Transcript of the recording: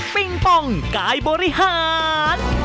ปิ้งปองกายบริหาร